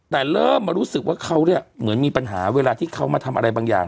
แต่เริ่มมารู้สึกว่าเขาเนี่ยเหมือนมีปัญหาเวลาที่เขามาทำอะไรบางอย่าง